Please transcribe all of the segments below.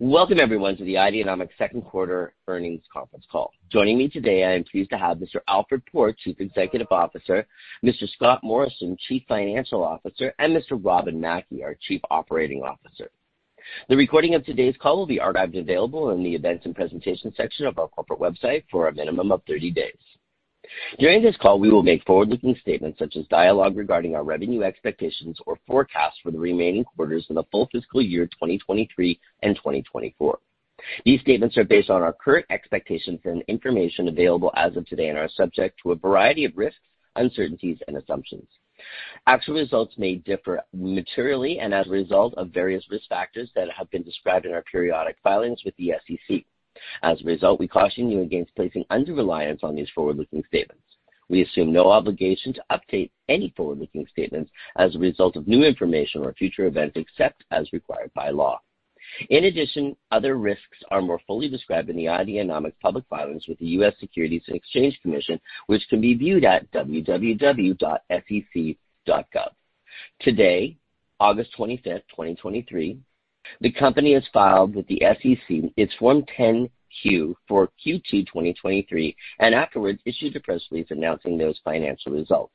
Welcome everyone to the Ideanomics second quarter earnings conference call. Joining me today, I am pleased to have Mr. Alfred Poor, Chief Executive Officer, Mr. Scott Morrison, Chief Financial Officer, and Mr. Robin Mackie, our Chief Operating Officer. The recording of today's call will be archived and available in the Events and Presentations section of our corporate website for a minimum of 30 days. During this call, we will make forward-looking statements, such as dialogue regarding our revenue expectations or forecasts for the remaining quarters of the full fiscal year, 2023 and 2024. These statements are based on our current expectations and information available as of today and are subject to a variety of risks, uncertainties, and assumptions. Actual results may differ materially and as a result of various risk factors that have been described in our periodic filings with the SEC. As a result, we caution you against placing undue reliance on these forward-looking statements. We assume no obligation to update any forward-looking statements as a result of new information or future events, except as required by law. In addition, other risks are more fully described in the Ideanomics public filings with the U.S. Securities and Exchange Commission, which can be viewed at www.sec.gov. Today, August 25th, 2023, the company has filed with the SEC its Form 10-Q for Q2 2023, and afterwards issued a press release announcing those financial results.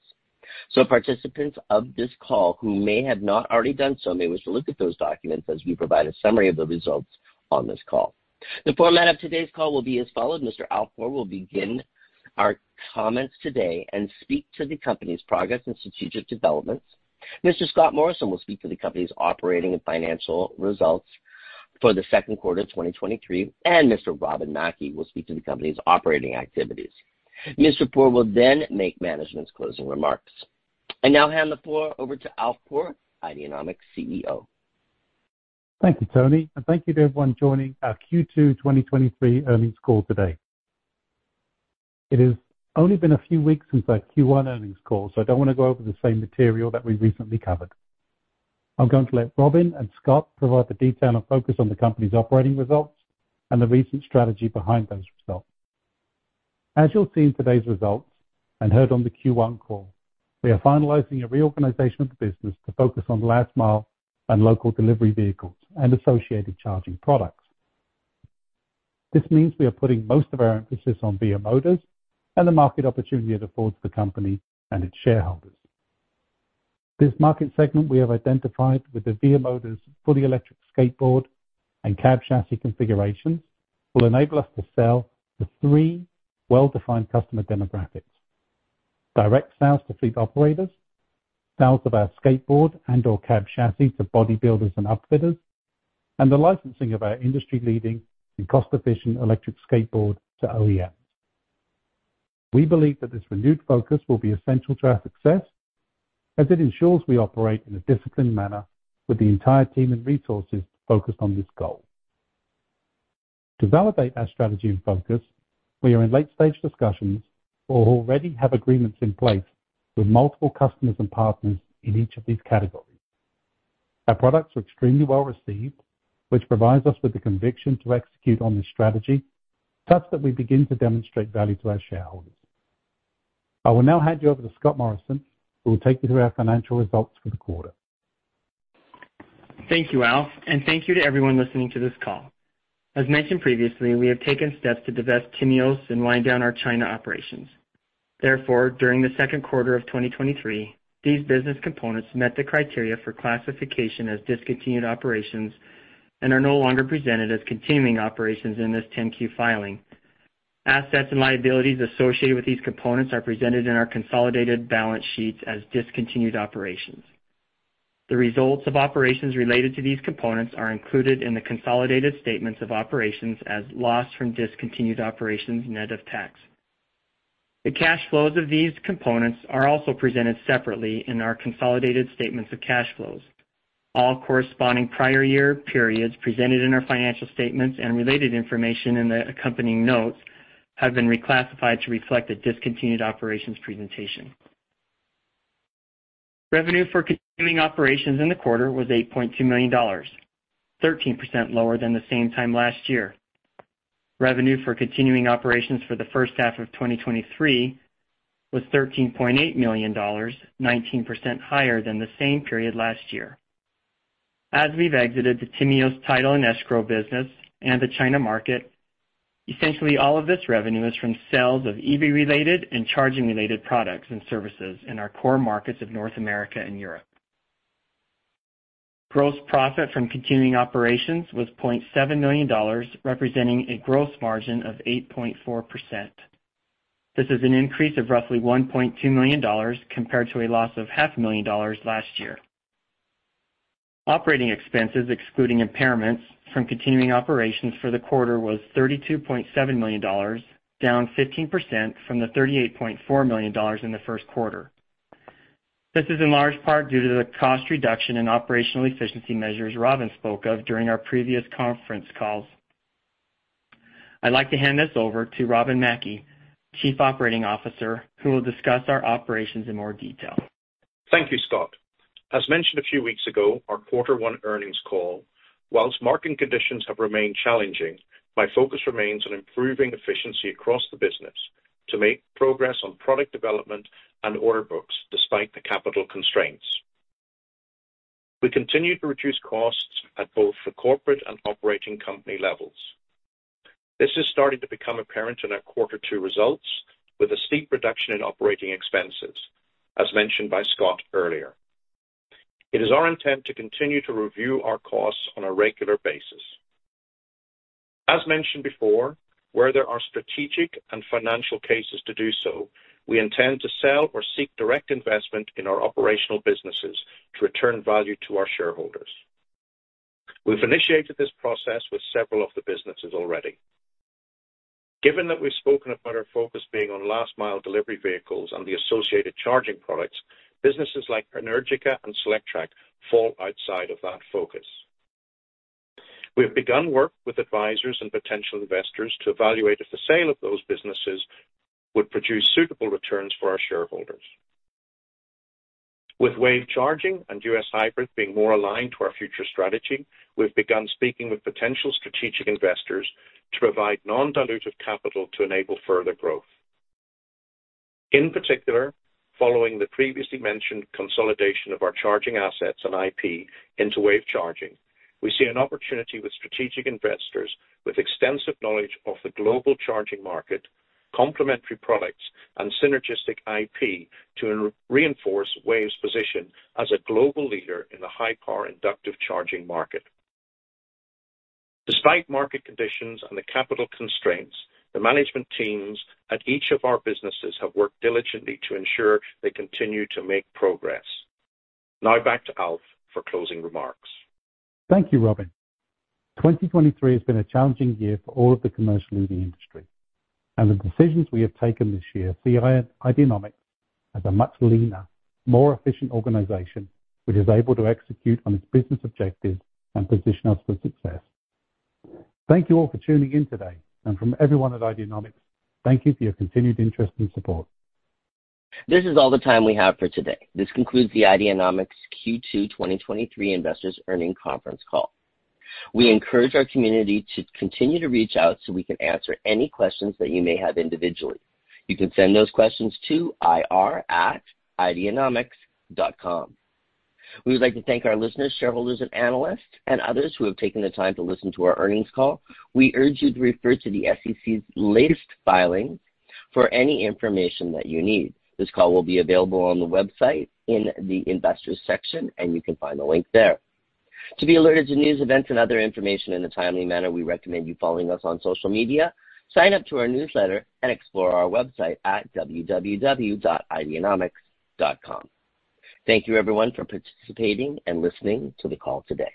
So participants of this call who may have not already done so, may wish to look at those documents as we provide a summary of the results on this call. The format of today's call will be as follows: Mr. Alf Poor will begin our comments today and speak to the company's progress and strategic developments. Mr. Scott Morrison will speak to the company's operating and financial results for the second quarter of 2023, and Mr. Robin Mackie will speak to the company's operating activities. Mr. Poor will then make management's closing remarks. I now hand the floor over to Alf Poor, Ideanomics' CEO. Thank you, Tony, and thank you to everyone joining our Q2 2023 earnings call today. It has only been a few weeks since our Q1 earnings call, so I don't want to go over the same material that we recently covered. I'm going to let Robin and Scott provide the detail and focus on the company's operating results and the recent strategy behind those results. As you'll see in today's results and heard on the Q1 call, we are finalizing a reorganization of the business to focus on last mile and local delivery vehicles and associated charging products. This means we are putting most of our emphasis on VIA Motors and the market opportunity it affords the company and its shareholders. This market segment we have identified with the VIA Motors fully electric skateboard and cab Chassis configurations, will enable us to sell to three well-defined customer demographics: direct sales to fleet operators, sales of our skateboard and/or cab chassis to bodybuilders and upfitters, and the licensing of our industry-leading and cost-efficient electric skateboard to OEMs. We believe that this renewed focus will be essential to our success as it ensures we operate in a disciplined manner with the entire team and resources focused on this goal. To validate our strategy and focus, we are in late-stage discussions or already have agreements in place with multiple customers and partners in each of these categories. Our products are extremely well-received, which provides us with the conviction to execute on this strategy such that we begin to demonstrate value to our shareholders. I will now hand you over to Scott Morrison, who will take you through our financial results for the quarter. Thank you, Alf, and thank you to everyone listening to this call. As mentioned previously, we have taken steps to divest Timios and wind down our China operations. Therefore, during the second quarter of 2023, these business components met the criteria for classification as discontinued operations and are no longer presented as continuing operations in this 10-Q filing. Assets and liabilities associated with these components are presented in our consolidated balance sheets as discontinued operations. The results of operations related to these components are included in the consolidated statements of operations as loss from discontinued operations net of tax. The cash flows of these components are also presented separately in our consolidated statements of cash flows. All corresponding prior year periods presented in our financial statements and related information in the accompanying notes have been reclassified to reflect a discontinued operations presentation. Revenue for continuing operations in the quarter was $8.2 million, 13% lower than the same time last year. Revenue for continuing operations for the first half of 2023 was $13.8 million, 19% higher than the same period last year. As we've exited the Timios title and escrow business and the China market, essentially all of this revenue is from sales of EV-related and charging-related products and services in our core markets of North America and Europe. Gross profit from continuing operations was $0.7 million, representing a gross margin of 8.4%. This is an increase of roughly $1.2 million compared to a loss of $0.5 million last year. Operating expenses, excluding impairments from continuing operations for the quarter, was $32.7 million, down 15% from the $38.4 million in the first quarter. This is in large part due to the cost reduction in operational efficiency measures Robin spoke of during our previous conference calls. I'd like to hand this over to Robin Mackie, Chief Operating Officer, who will discuss our operations in more detail. Thank you, Scott. As mentioned a few weeks ago, our quarter one earnings call, whilst market conditions have remained challenging, my focus remains on improving efficiency across the business-... to make progress on product development and order books despite the capital constraints. We continued to reduce costs at both the corporate and operating company levels. This is starting to become apparent in our quarter two results, with a steep reduction in operating expenses, as mentioned by Scott earlier. It is our intent to continue to review our costs on a regular basis. As mentioned before, where there are strategic and financial cases to do so, we intend to sell or seek direct investment in our operational businesses to return value to our shareholders. We've initiated this process with several of the businesses already. Given that we've spoken about our focus being on last mile delivery vehicles and the associated charging products, businesses like Energica and Solectrac fall outside of that focus. We have begun work with advisors and potential investors to evaluate if the sale of those businesses would produce suitable returns for our shareholders. With WAVE Charging and U.S. Hybrid being more aligned to our future strategy, we've begun speaking with potential strategic investors to provide non-dilutive capital to enable further growth. In particular, following the previously mentioned consolidation of our charging assets and IP into WAVE Charging, we see an opportunity with strategic investors with extensive knowledge of the global charging market, complementary products, and synergistic IP to re-reinforce WAVE Charging's position as a global leader in the high power inductive charging market. Despite market conditions and the capital constraints, the management teams at each of our businesses have worked diligently to ensure they continue to make progress. Now back to Alf for closing remarks. Thank you, Robin. 2023 has been a challenging year for all of the commercial leading industry, and the decisions we have taken this year see Ideanomics as a much leaner, more efficient organization, which is able to execute on its business objectives and position us for success. Thank you all for tuning in today, and from everyone at Ideanomics, thank you for your continued interest and support. This is all the time we have for today. This concludes the Ideanomics Q2 2023 investors earnings conference call. We encourage our community to continue to reach out so we can answer any questions that you may have individually. You can send those questions to ir@ideanomics.com. We would like to thank our listeners, shareholders, and analysts, and others who have taken the time to listen to our earnings call. We urge you to refer to the SEC's latest filing for any information that you need. This call will be available on the website in the Investors section, and you can find the link there. To be alerted to news, events, and other information in a timely manner, we recommend you following us on social media. Sign up to our newsletter and explore our website at www.ideanomics.com. Thank you everyone for participating and listening to the call today.